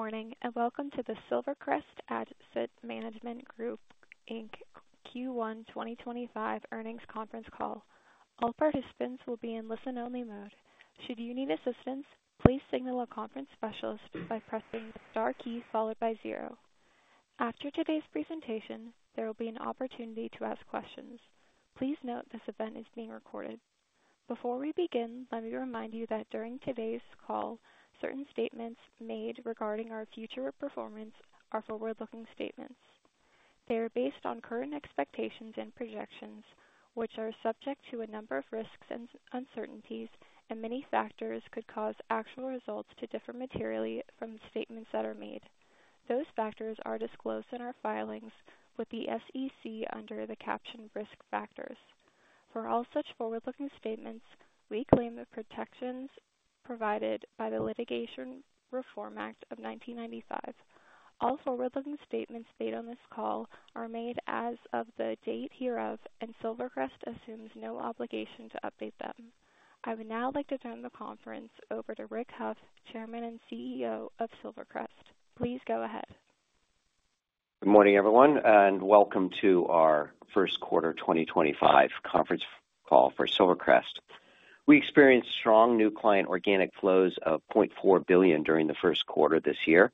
Good morning and welcome to the Silvercrest Asset Management Group Q1 2025 earnings conference call. All participants will be in listen-only mode. Should you need assistance, please signal a conference specialist by pressing the star key followed by zero. After today's presentation, there will be an opportunity to ask questions. Please note this event is being recorded. Before we begin, let me remind you that during today's call, certain statements made regarding our future performance are forward-looking statements. They are based on current expectations and projections, which are subject to a number of risks and uncertainties, and many factors could cause actual results to differ materially from the statements that are made. Those factors are disclosed in our filings with the SEC under the caption risk factors. For all such forward-looking statements, we claim the protections provided by the Litigation Reform Act of 1995. All forward-looking statements made on this call are made as of the date hereof, and Silvercrest assumes no obligation to update them. I would now like to turn the conference over to Rick Hough, Chairman and CEO of Silvercrest. Please go ahead. Good morning, everyone, and welcome to our first quarter 2025 conference call for Silvercrest. We experienced strong new client organic flows of $0.4 billion during the first quarter this year.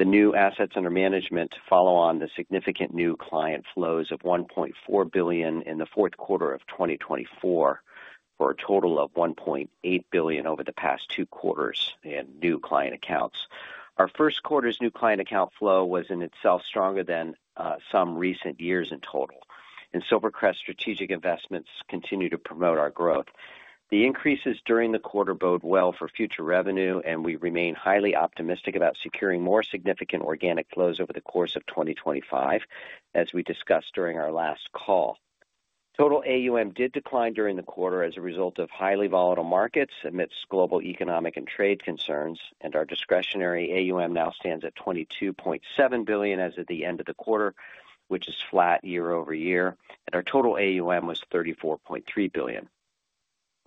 The new assets under management follow on the significant new client flows of $1.4 billion in the fourth quarter of 2024, for a total of $1.8 billion over the past two quarters in new client accounts. Our first quarter's new client account flow was in itself stronger than some recent years in total, and Silvercrest Strategic Investments continued to promote our growth. The increases during the quarter bode well for future revenue, and we remain highly optimistic about securing more significant organic flows over the course of 2025, as we discussed during our last call. Total AUM did decline during the quarter as a result of highly volatile markets amidst global economic and trade concerns, and our discretionary AUM now stands at $22.7 billion as of the end of the quarter, which is flat year over year, and our total AUM was $34.3 billion.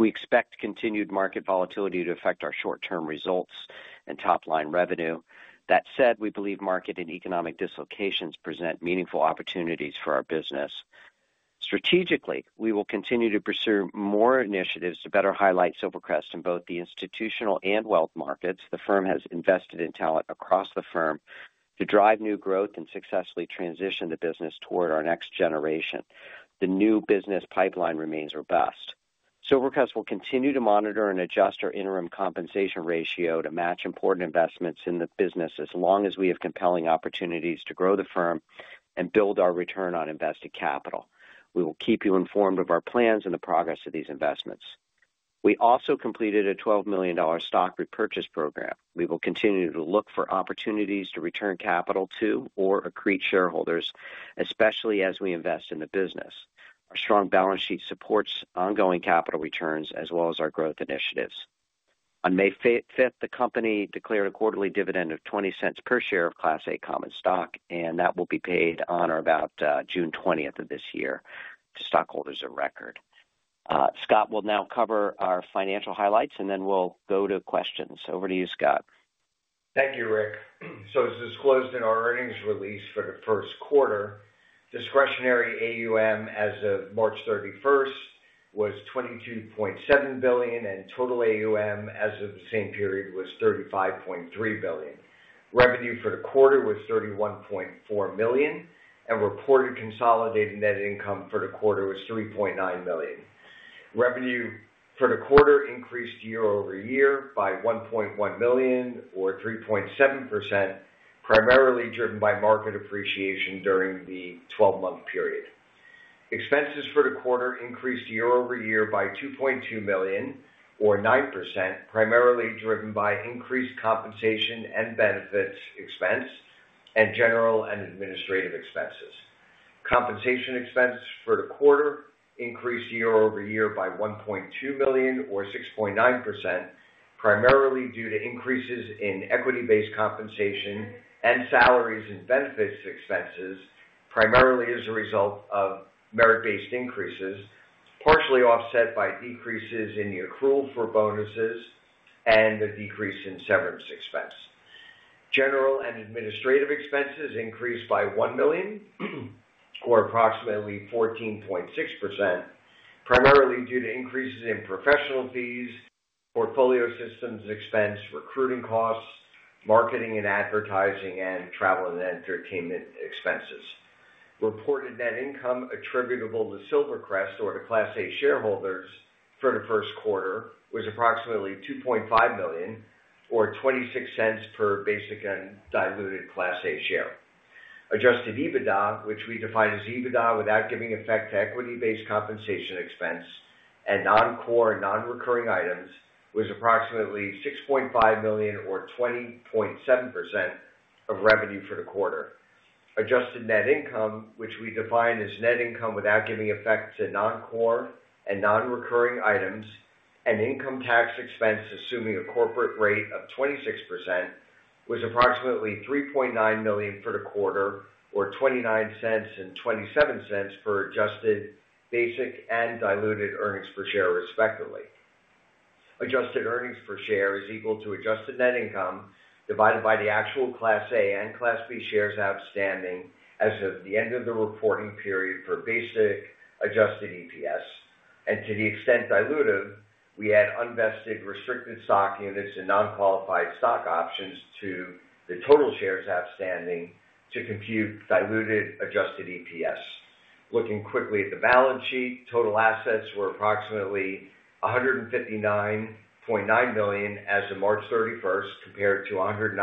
We expect continued market volatility to affect our short-term results and top-line revenue. That said, we believe market and economic dislocations present meaningful opportunities for our business. Strategically, we will continue to pursue more initiatives to better highlight Silvercrest in both the institutional and wealth markets. The firm has invested in talent across the firm to drive new growth and successfully transition the business toward our next generation. The new business pipeline remains robust. Silvercrest will continue to monitor and adjust our interim compensation ratio to match important investments in the business as long as we have compelling opportunities to grow the firm and build our return on invested capital. We will keep you informed of our plans and the progress of these investments. We also completed a $12 million stock repurchase program. We will continue to look for opportunities to return capital to or accrete shareholders, especially as we invest in the business. Our strong balance sheet supports ongoing capital returns as well as our growth initiatives. On May 5th, the company declared a quarterly dividend of $0.20 per share of Class A common stock, and that will be paid on or about June 20th of this year to stockholders of record. Scott will now cover our financial highlights, and then we'll go to questions. Over to you, Scott. Thank you, Rick. As disclosed in our earnings release for the first quarter, discretionary AUM as of March 31 was $22.7 billion, and total AUM as of the same period was $35.3 billion. Revenue for the quarter was $31.4 million, and reported consolidated net income for the quarter was $3.9 million. Revenue for the quarter increased year over year by $1.1 million, or 3.7%, primarily driven by market appreciation during the 12-month period. Expenses for the quarter increased year over year by $2.2 million, or 9%, primarily driven by increased compensation and benefits expense and general and administrative expenses. Compensation expenses for the quarter increased year over year by $1.2 million, or 6.9%, primarily due to increases in equity-based compensation and salaries and benefits expenses, primarily as a result of merit-based increases, partially offset by decreases in the accrual for bonuses and a decrease in severance expense. General and administrative expenses increased by $1 million, or approximately 14.6%, primarily due to increases in professional fees, portfolio systems expense, recruiting costs, marketing and advertising, and travel and entertainment expenses. Reported net income attributable to Silvercrest or to Class A shareholders for the first quarter was approximately $2.5 million, or $0.26 per basic and diluted Class A share. Adjusted EBITDA, which we define as EBITDA without giving effect to equity-based compensation expense and non-core and non-recurring items, was approximately $6.5 million, or 20.7% of revenue for the quarter. Adjusted net income, which we define as net income without giving effect to non-core and non-recurring items and income tax expense assuming a corporate rate of 26%, was approximately $3.9 million for the quarter, or $0.29 and $0.27 for adjusted basic and diluted earnings per share, respectively. Adjusted earnings per share is equal to adjusted net income divided by the actual Class A and Class B shares outstanding as of the end of the reporting period for basic adjusted EPS, and to the extent diluted, we add unvested restricted stock units and non-qualified stock options to the total shares outstanding to compute diluted adjusted EPS. Looking quickly at the balance sheet, total assets were approximately $159.9 million as of March 31 compared to $194.4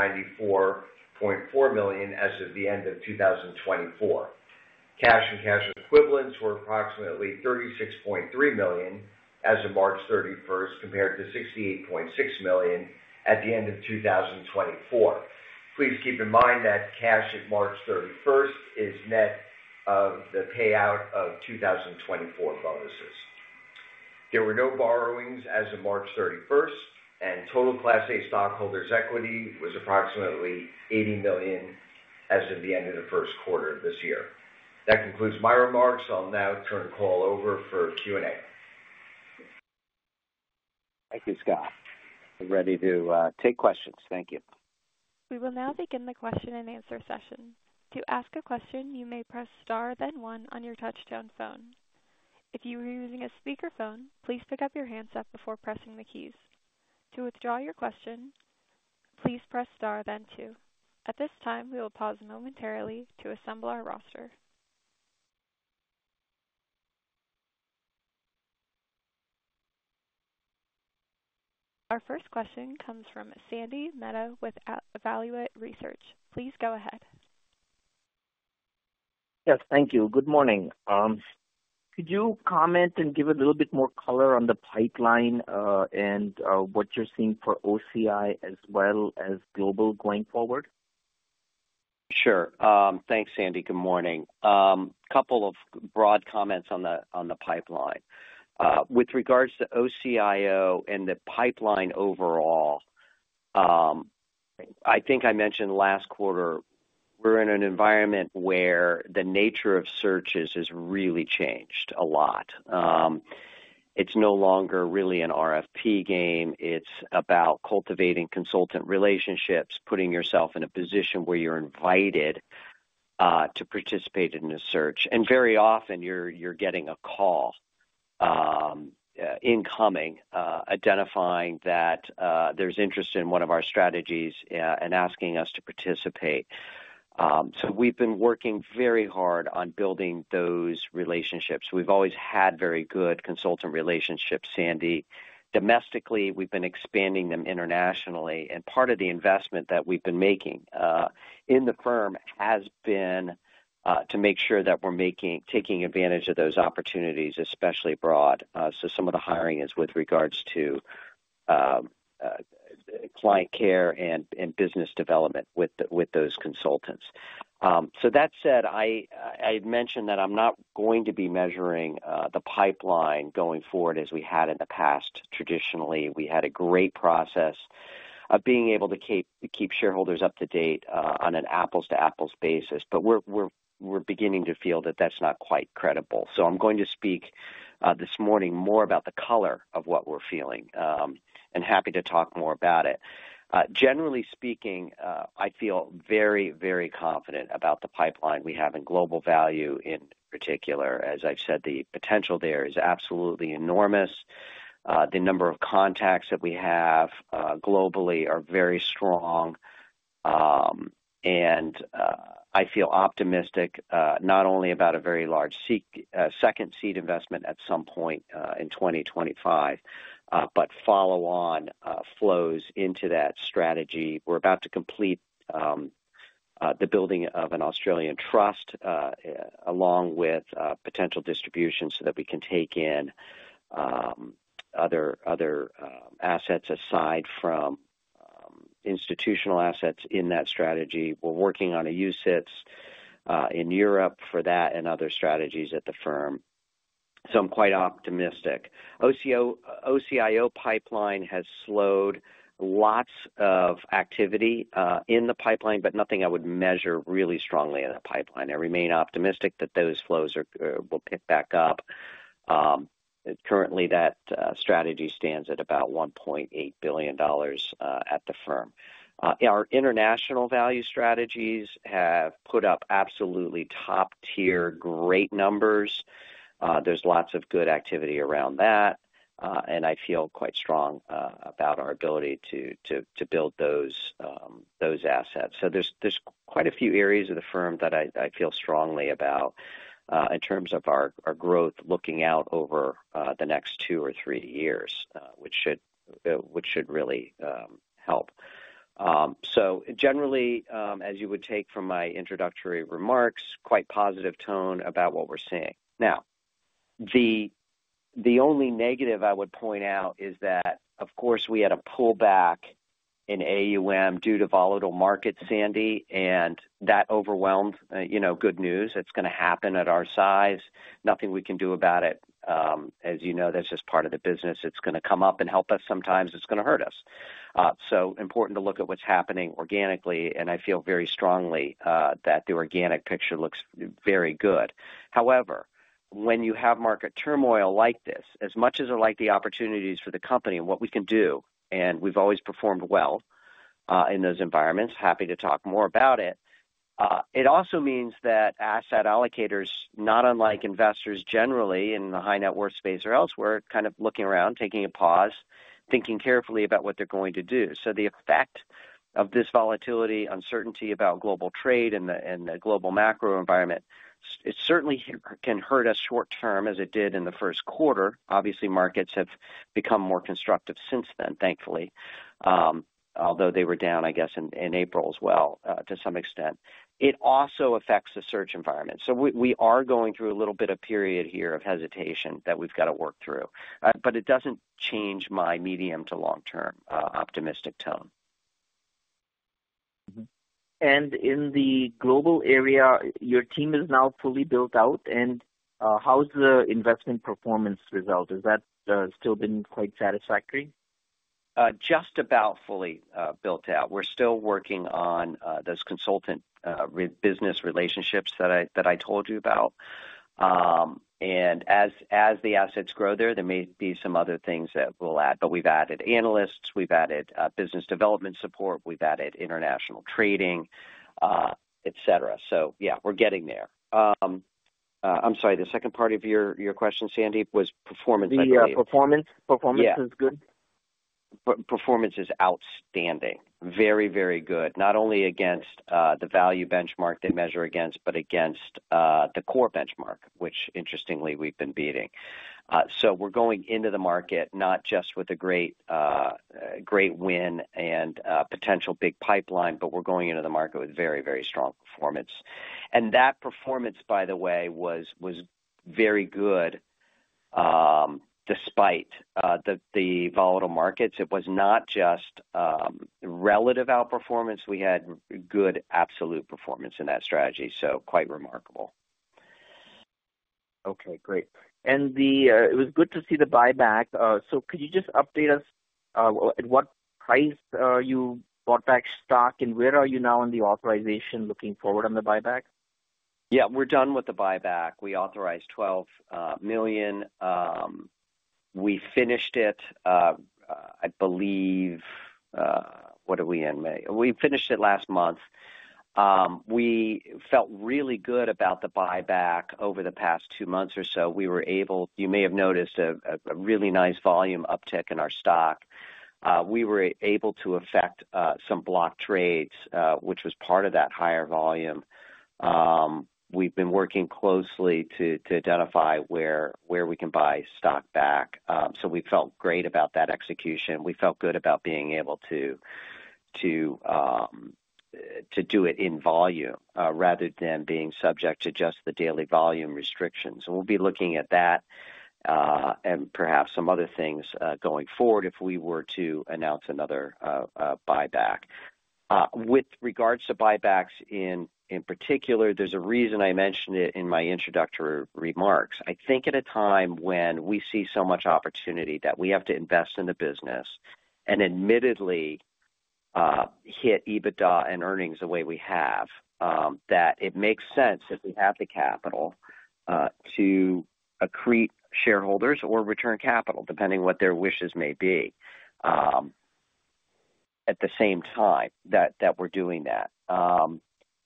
million as of the end of 2024. Cash and cash equivalents were approximately $36.3 million as of March 31 compared to $68.6 million at the end of 2024. Please keep in mind that cash at March 31 is net of the payout of 2024 bonuses. There were no borrowings as of March 31, and total Class A stockholders' equity was approximately $80 million as of the end of the first quarter of this year. That concludes my remarks. I'll now turn the call over for Q&A. Thank you, Scott. I'm ready to take questions. Thank you. We will now begin the question and answer session. To ask a question, you may press star, then one, on your touch-tone phone. If you are using a speakerphone, please pick up your handset before pressing the keys. To withdraw your question, please press star, then two. At this time, we will pause momentarily to assemble our roster. Our first question comes from Sandy Mehta with Evaluate Research. Please go ahead. Yes, thank you. Good morning. Could you comment and give a little bit more color on the pipeline and what you're seeing for OCIO as well as global going forward? Sure. Thanks, Sandy. Good morning. A couple of broad comments on the pipeline. With regards to OCIO and the pipeline overall, I think I mentioned last quarter, we're in an environment where the nature of searches has really changed a lot. It's no longer really an RFP game. It's about cultivating consultant relationships, putting yourself in a position where you're invited to participate in a search. Very often, you're getting a call incoming identifying that there's interest in one of our strategies and asking us to participate. We've been working very hard on building those relationships. We've always had very good consultant relationships, Sandy. Domestically, we've been expanding them internationally, and part of the investment that we've been making in the firm has been to make sure that we're taking advantage of those opportunities, especially abroad. Some of the hiring is with regards to client care and business development with those consultants. That said, I had mentioned that I'm not going to be measuring the pipeline going forward as we had in the past. Traditionally, we had a great process of being able to keep shareholders up to date on an apples-to-apples basis, but we're beginning to feel that that's not quite credible. I'm going to speak this morning more about the color of what we're feeling and happy to talk more about it. Generally speaking, I feel very, very confident about the pipeline we have in global value in particular. As I've said, the potential there is absolutely enormous. The number of contacts that we have globally are very strong, and I feel optimistic not only about a very large second seed investment at some point in 2025, but follow-on flows into that strategy. We are about to complete the building of an Australian trust along with potential distribution so that we can take in other assets aside from institutional assets in that strategy. We are working on a UCITS in Europe for that and other strategies at the firm. I am quite optimistic. OCIO pipeline has slowed, lots of activity in the pipeline, but nothing I would measure really strongly in the pipeline. I remain optimistic that those flows will pick back up. Currently, that strategy stands at about $1.8 billion at the firm. Our international value strategies have put up absolutely top-tier great numbers. There's lots of good activity around that, and I feel quite strong about our ability to build those assets. There's quite a few areas of the firm that I feel strongly about in terms of our growth looking out over the next two or three years, which should really help. Generally, as you would take from my introductory remarks, quite positive tone about what we're seeing. The only negative I would point out is that, of course, we had a pullback in AUM due to volatile markets, Sandy, and that overwhelmed good news. It's going to happen at our size. Nothing we can do about it. As you know, that's just part of the business. It's going to come up and help us sometimes. It's going to hurt us. Important to look at what's happening organically, and I feel very strongly that the organic picture looks very good. However, when you have market turmoil like this, as much as I like the opportunities for the company and what we can do, and we've always performed well in those environments, happy to talk more about it, it also means that asset allocators, not unlike investors generally in the high-net-worth space or elsewhere, kind of looking around, taking a pause, thinking carefully about what they're going to do. The effect of this volatility, uncertainty about global trade and the global macro environment, it certainly can hurt us short-term as it did in the first quarter. Obviously, markets have become more constructive since then, thankfully, although they were down, I guess, in April as well to some extent. It also affects the search environment. We are going through a little bit of period here of hesitation that we've got to work through, but it doesn't change my medium to long-term optimistic tone. In the global area, your team is now fully built out, and how's the investment performance result? Has that still been quite satisfactory? Just about fully built out. We're still working on those consultant business relationships that I told you about. As the assets grow there, there may be some other things that we'll add, but we've added analysts, we've added business development support, we've added international trading, etc. Yeah, we're getting there. I'm sorry, the second part of your question, Sandy, was performance I got. Oh, yeah. Performance is good. Yes. Performance is outstanding. Very, very good. Not only against the value benchmark they measure against, but against the core benchmark, which interestingly we've been beating. We are going into the market not just with a great win and potential big pipeline, but we are going into the market with very, very strong performance. That performance, by the way, was very good despite the volatile markets. It was not just relative outperformance. We had good absolute performance in that strategy. Quite remarkable. Okay. Great. It was good to see the buyback. Could you just update us at what price you bought back stock, and where are you now on the authorization looking forward on the buyback? Yeah. We're done with the buyback. We authorized $12 million. We finished it, I believe, what are we in? We finished it last month. We felt really good about the buyback over the past two months or so. We were able, you may have noticed, a really nice volume uptick in our stock. We were able to affect some block trades, which was part of that higher volume. We've been working closely to identify where we can buy stock back. We felt great about that execution. We felt good about being able to do it in volume rather than being subject to just the daily volume restrictions. We'll be looking at that and perhaps some other things going forward if we were to announce another buyback. With regards to buybacks in particular, there's a reason I mentioned it in my introductory remarks. I think at a time when we see so much opportunity that we have to invest in the business and admittedly hit EBITDA and earnings the way we have, that it makes sense if we have the capital to accrete shareholders or return capital, depending on what their wishes may be, at the same time that we're doing that.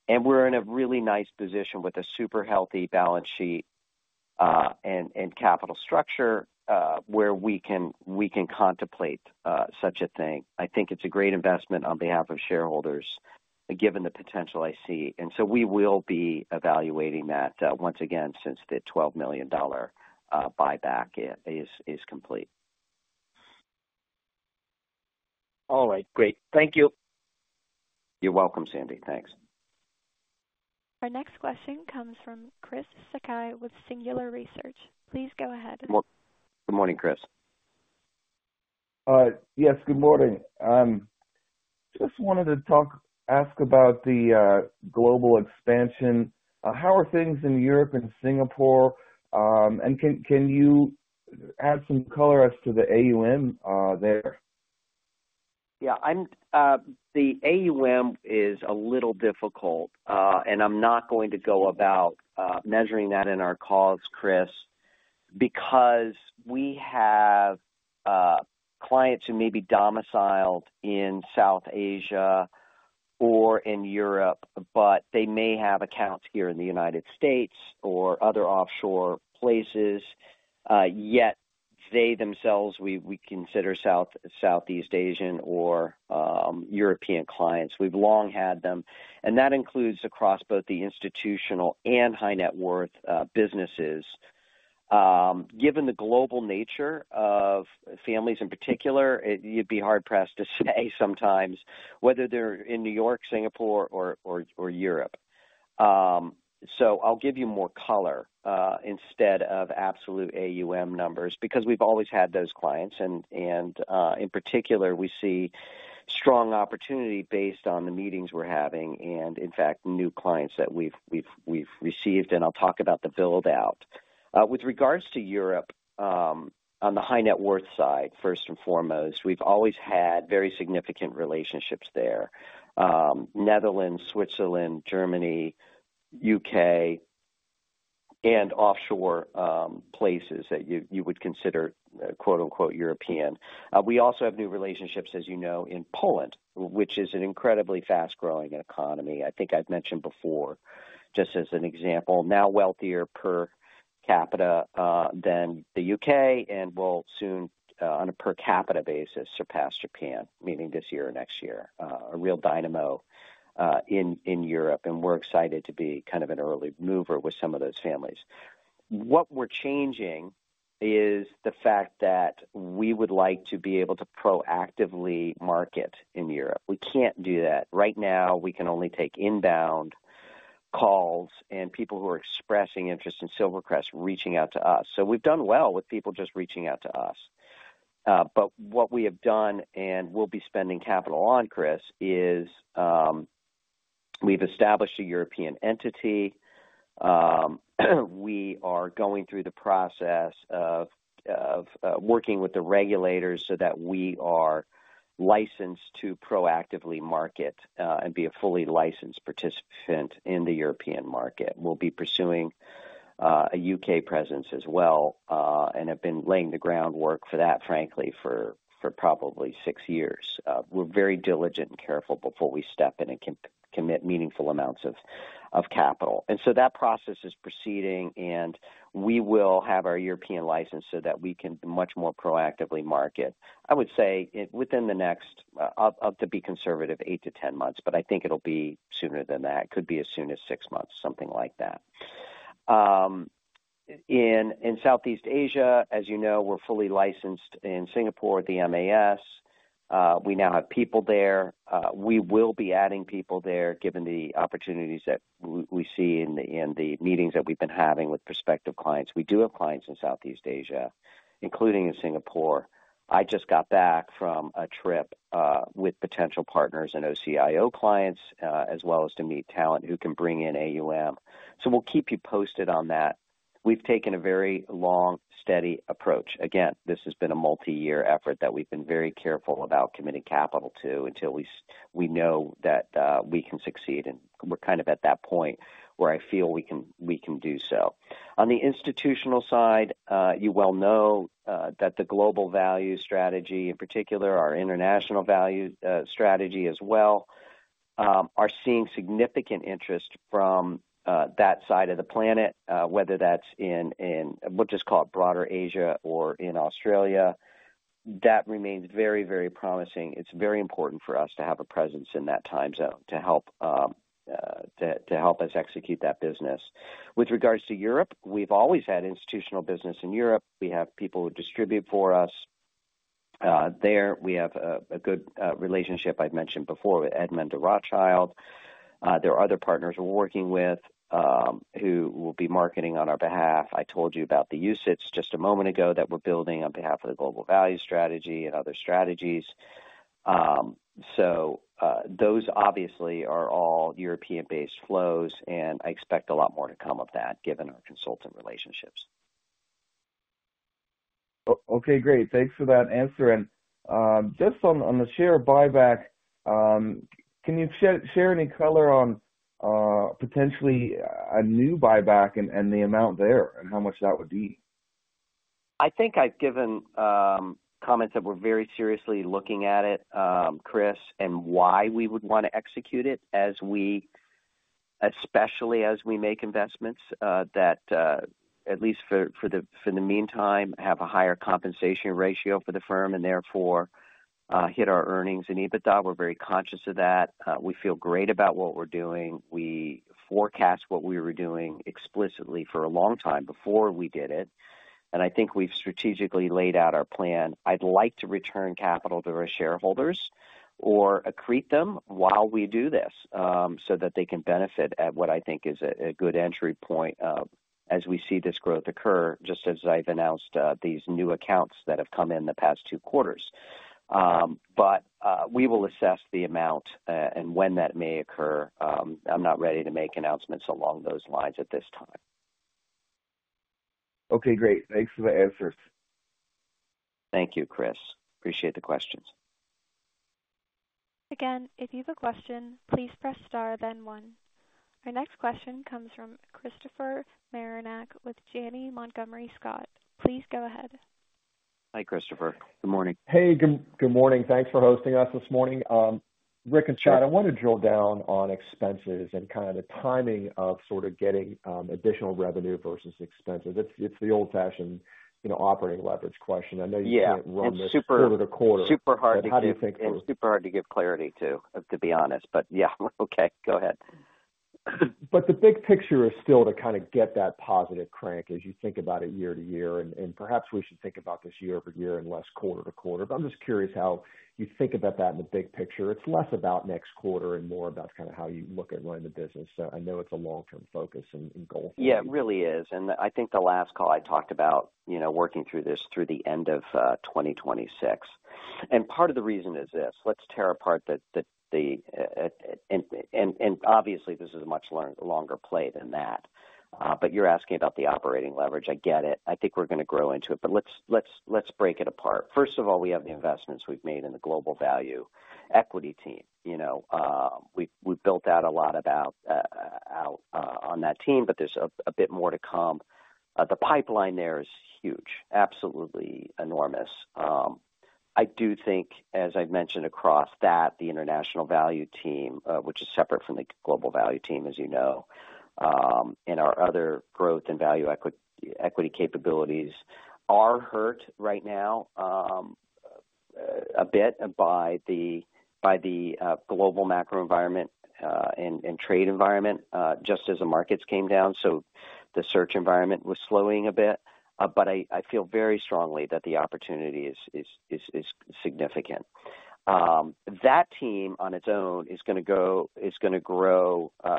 We are in a really nice position with a super healthy balance sheet and capital structure where we can contemplate such a thing. I think it's a great investment on behalf of shareholders given the potential I see. We will be evaluating that once again since the $12 million buyback is complete. All right. Great. Thank you. You're welcome, Sandy. Thanks. Our next question comes from Chris Sakai with Singular Research. Please go ahead. Good morning, Chris. Yes, good morning. Just wanted to ask about the global expansion. How are things in Europe and Singapore? Can you add some color as to the AUM there? Yeah. The AUM is a little difficult, and I'm not going to go about measuring that in our calls, Chris, because we have clients who may be domiciled in South Asia or in Europe, but they may have accounts here in the United States or other offshore places. Yet they themselves, we consider Southeast Asian or European clients. We've long had them. That includes across both the institutional and high-net-worth businesses. Given the global nature of families in particular, you'd be hard-pressed to say sometimes whether they're in New York, Singapore, or Europe. I'll give you more color instead of absolute AUM numbers because we've always had those clients. In particular, we see strong opportunity based on the meetings we're having and, in fact, new clients that we've received. I'll talk about the build-out. With regards to Europe, on the high-net-worth side, first and foremost, we've always had very significant relationships there: Netherlands, Switzerland, Germany, U.K., and offshore places that you would consider "European." We also have new relationships, as you know, in Poland, which is an incredibly fast-growing economy. I think I've mentioned before, just as an example, now wealthier per capita than the U.K. and will soon, on a per capita basis, surpass Japan, meaning this year or next year, a real dynamo in Europe. We're excited to be kind of an early mover with some of those families. What we're changing is the fact that we would like to be able to proactively market in Europe. We can't do that. Right now, we can only take inbound calls and people who are expressing interest in Silvercrest reaching out to us. We have done well with people just reaching out to us. What we have done and we will be spending capital on, Chris, is we have established a European entity. We are going through the process of working with the regulators so that we are licensed to proactively market and be a fully licensed participant in the European market. We will be pursuing a U.K. presence as well and have been laying the groundwork for that, frankly, for probably six years. We are very diligent and careful before we step in and commit meaningful amounts of capital. That process is proceeding, and we will have our European license so that we can much more proactively market. I would say within the next, to be conservative, eight to ten months, but I think it will be sooner than that. It could be as soon as six months, something like that. In Southeast Asia, as you know, we're fully licensed in Singapore, the MAS. We now have people there. We will be adding people there given the opportunities that we see in the meetings that we've been having with prospective clients. We do have clients in Southeast Asia, including in Singapore. I just got back from a trip with potential partners and OCIO clients as well as to meet talent who can bring in AUM. We will keep you posted on that. We've taken a very long, steady approach. Again, this has been a multi-year effort that we've been very careful about committing capital to until we know that we can succeed, and we're kind of at that point where I feel we can do so. On the institutional side, you well know that the global value strategy, in particular, our international value strategy as well, are seeing significant interest from that side of the planet, whether that's in, we'll just call it broader Asia or in Australia. That remains very, very promising. It's very important for us to have a presence in that time zone to help us execute that business. With regards to Europe, we've always had institutional business in Europe. We have people who distribute for us there. We have a good relationship, I've mentioned before, with Edmond de Rothschild. There are other partners we're working with who will be marketing on our behalf. I told you about the UCITS just a moment ago that we're building on behalf of the global value strategy and other strategies. Those obviously are all European-based flows, and I expect a lot more to come of that given our consultant relationships. Okay. Great. Thanks for that answer. Just on the share buyback, can you share any color on potentially a new buyback and the amount there and how much that would be? I think I've given comments that we're very seriously looking at it, Chris, and why we would want to execute it, especially as we make investments that, at least for the meantime, have a higher compensation ratio for the firm and therefore hit our earnings in EBITDA. We're very conscious of that. We feel great about what we're doing. We forecast what we were doing explicitly for a long time before we did it. I think we've strategically laid out our plan. I'd like to return capital to our shareholders or accrete them while we do this so that they can benefit at what I think is a good entry point as we see this growth occur, just as I've announced these new accounts that have come in the past two quarters. We will assess the amount and when that may occur. I'm not ready to make announcements along those lines at this time. Okay. Great. Thanks for the answers. Thank you, Chris. Appreciate the questions. Again, if you have a question, please press star, then one. Our next question comes from Christopher Marinac with Janney Montgomery Scott. Please go ahead. Hi, Christopher. Good morning. Hey, good morning. Thanks for hosting us this morning. Rick and Scott, I want to drill down on expenses and kind of the timing of sort of getting additional revenue versus expenses. It's the old-fashioned operating leverage question. I know you can't run this quarter to quarter. Yeah. It's super hard to give. How do you think? It's super hard to give clarity to, to be honest. Yeah. Okay. Go ahead. The big picture is still to kind of get that positive crank as you think about it year to year. Perhaps we should think about this year over year and less quarter to quarter. I'm just curious how you think about that in the big picture. It's less about next quarter and more about kind of how you look at running the business. I know it's a long-term focus and goal. Yeah, it really is. I think the last call I talked about working through this through the end of 2026. Part of the reason is this. Let's tear apart the—and obviously, this is a much longer play than that. You're asking about the operating leverage. I get it. I think we're going to grow into it. Let's break it apart. First of all, we have the investments we've made in the global value equity team. We've built out a lot on that team, but there's a bit more to come. The pipeline there is huge, absolutely enormous. I do think, as I've mentioned across that, the international value team, which is separate from the global value team, as you know, and our other growth and value equity capabilities are hurt right now a bit by the global macro environment and trade environment, just as the markets came down. The search environment was slowing a bit. I feel very strongly that the opportunity is significant. That team, on its own, is going to grow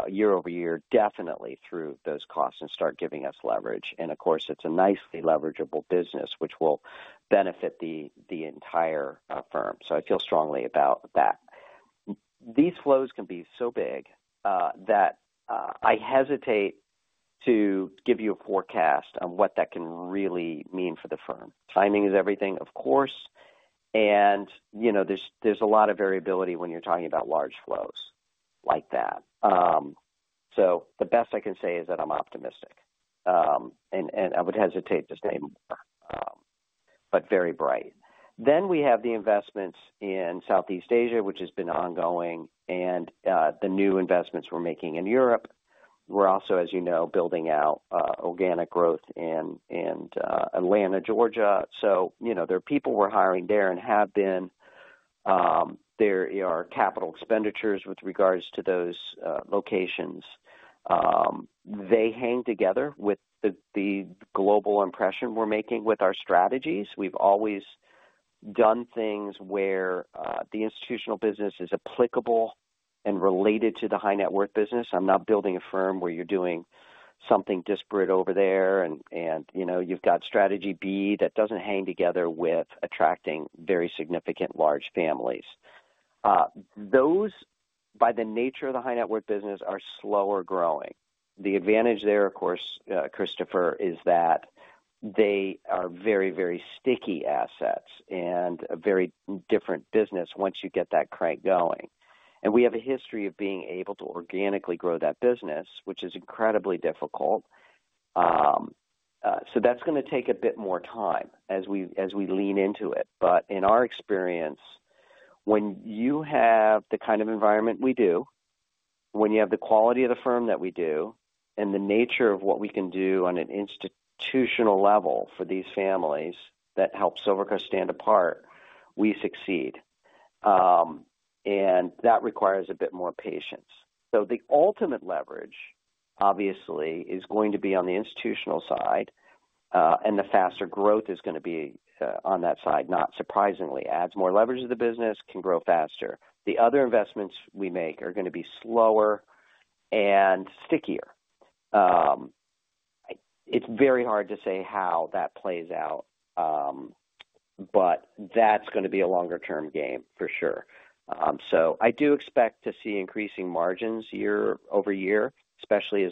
year over year, definitely through those costs and start giving us leverage. Of course, it's a nicely leverageable business, which will benefit the entire firm. I feel strongly about that. These flows can be so big that I hesitate to give you a forecast on what that can really mean for the firm. Timing is everything, of course. There's a lot of variability when you're talking about large flows like that. The best I can say is that I'm optimistic. I would hesitate to say more, but very bright. We have the investments in Southeast Asia, which has been ongoing, and the new investments we're making in Europe. We're also, as you know, building out organic growth in Atlanta, Georgia. There are people we're hiring there and have been. There are capital expenditures with regards to those locations. They hang together with the global impression we're making with our strategies. We've always done things where the institutional business is applicable and related to the high-net-worth business. I'm not building a firm where you're doing something disparate over there, and you've got strategy B that doesn't hang together with attracting very significant large families. Those, by the nature of the high-net-worth business, are slower growing. The advantage there, of course, Christopher, is that they are very, very sticky assets and a very different business once you get that crank going. We have a history of being able to organically grow that business, which is incredibly difficult. That is going to take a bit more time as we lean into it. In our experience, when you have the kind of environment we do, when you have the quality of the firm that we do, and the nature of what we can do on an institutional level for these families that help Silvercrest stand apart, we succeed. That requires a bit more patience. The ultimate leverage, obviously, is going to be on the institutional side, and the faster growth is going to be on that side. Not surprisingly, adds more leverage to the business, can grow faster. The other investments we make are going to be slower and stickier. It's very hard to say how that plays out, but that's going to be a longer-term game for sure. I do expect to see increasing margins year over year, especially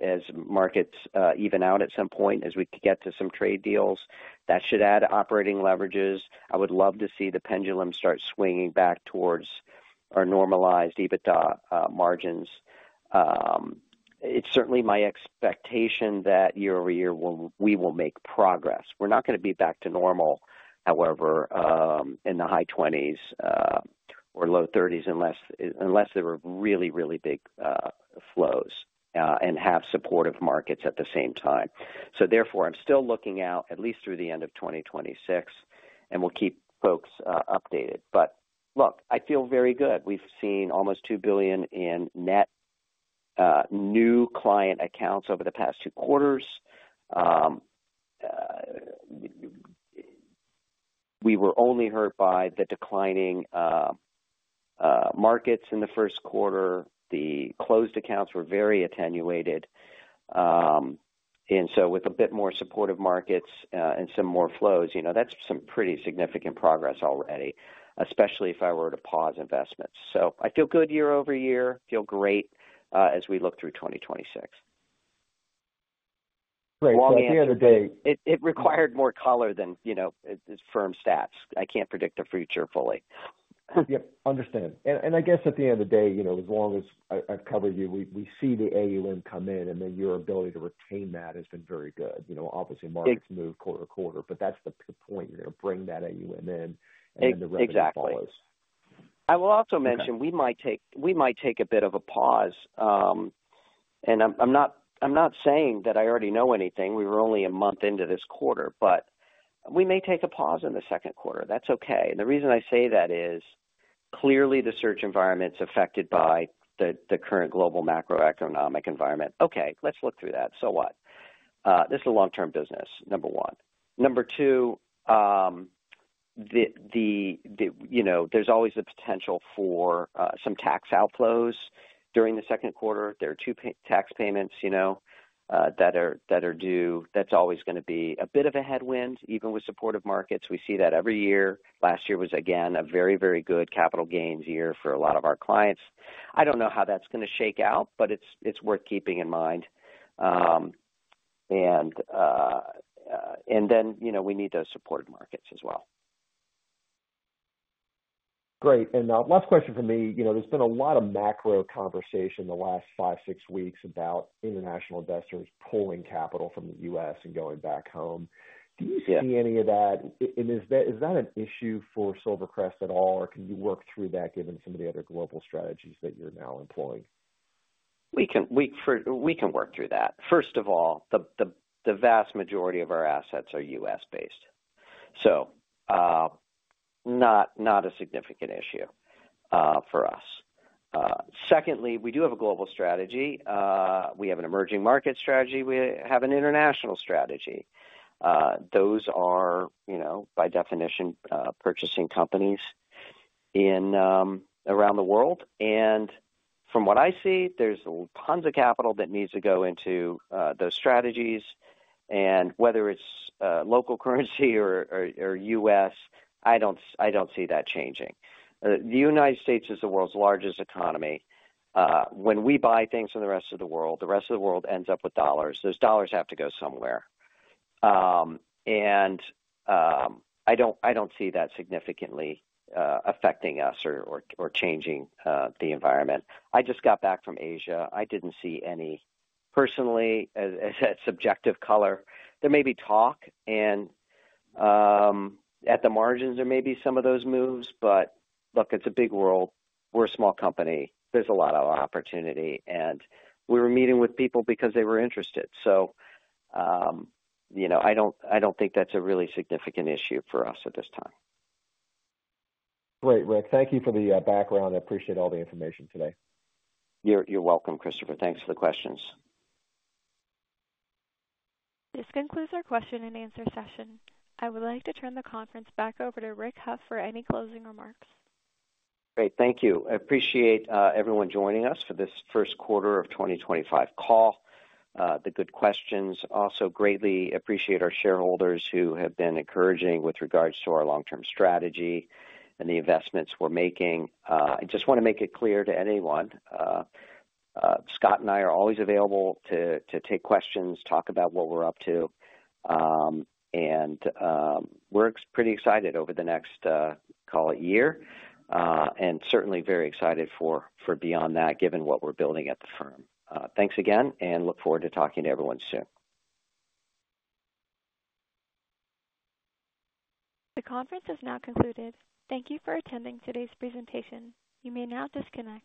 as markets even out at some point, as we get to some trade deals. That should add operating leverages. I would love to see the pendulum start swinging back towards our normalized EBITDA margins. It's certainly my expectation that year over year, we will make progress. We're not going to be back to normal, however, in the high 20s or low 30s unless there are really, really big flows and have supportive markets at the same time. Therefore, I'm still looking out, at least through the end of 2026, and we'll keep folks updated. Look, I feel very good. We've seen almost $2 billion in net new client accounts over the past two quarters. We were only hurt by the declining markets in the first quarter. The closed accounts were very attenuated. With a bit more supportive markets and some more flows, that's some pretty significant progress already, especially if I were to pause investments. I feel good year over year. I feel great as we look through 2026. Great. At the end of the day. It required more color than firm stats. I can't predict the future fully. Yeah. Understand. I guess at the end of the day, as long as I've covered you, we see the AUM come in, and then your ability to retain that has been very good. Obviously, markets move quarter to quarter, but that's the point. You're going to bring that AUM in and the revenue flows. Exactly. I will also mention we might take a bit of a pause. I am not saying that I already know anything. We were only a month into this quarter, but we may take a pause in the second quarter. That is okay. The reason I say that is clearly the search environment is affected by the current global macroeconomic environment. Okay. Let us look through that. So what? This is a long-term business, number one. Number two, there is always the potential for some tax outflows during the second quarter. There are two tax payments that are due. That is always going to be a bit of a headwind, even with supportive markets. We see that every year. Last year was, again, a very, very good capital gains year for a lot of our clients. I do not know how that is going to shake out, but it is worth keeping in mind. We need those supported markets as well. Great. Last question for me. There has been a lot of macro conversation the last five, six weeks about international investors pulling capital from the U.S. and going back home. Do you see any of that? Is that an issue for Silvercrest at all, or can you work through that given some of the other global strategies that you are now employing? We can work through that. First of all, the vast majority of our assets are U.S.-based. So not a significant issue for us. Secondly, we do have a global strategy. We have an emerging market strategy. We have an international strategy. Those are, by definition, purchasing companies around the world. And from what I see, there's tons of capital that needs to go into those strategies. And whether it's local currency or U.S., I don't see that changing. The United States is the world's largest economy. When we buy things from the rest of the world, the rest of the world ends up with dollars. Those dollars have to go somewhere. And I don't see that significantly affecting us or changing the environment. I just got back from Asia. I didn't see any personally as a subjective color. There may be talk, and at the margins, there may be some of those moves. Look, it's a big world. We're a small company. There's a lot of opportunity. We were meeting with people because they were interested. I don't think that's a really significant issue for us at this time. Great, Rick. Thank you for the background. I appreciate all the information today. You're welcome, Christopher. Thanks for the questions. This concludes our question and answer session. I would like to turn the conference back over to Rick Hough for any closing remarks. Great. Thank you. I appreciate everyone joining us for this first quarter of 2025 call, the good questions. Also, greatly appreciate our shareholders who have been encouraging with regards to our long-term strategy and the investments we're making. I just want to make it clear to anyone, Scott and I are always available to take questions, talk about what we're up to. We're pretty excited over the next, call it, year. Certainly very excited for beyond that, given what we're building at the firm. Thanks again, and look forward to talking to everyone soon. The conference has now concluded. Thank you for attending today's presentation. You may now disconnect.